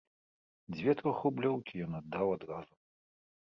Дзве трохрублёўкі ён аддаў адразу.